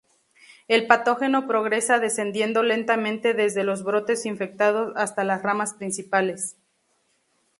El patógeno progresa descendiendo lentamente desde los brotes infectados hasta las ramas principales.